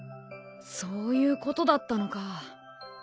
そういうことだったのか。